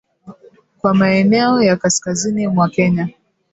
Kwa maeneo ya kaskazini mwa Kenya